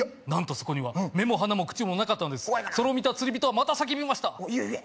何とそこには目も鼻も口もなかったのですそれを見た釣り人はまた叫びました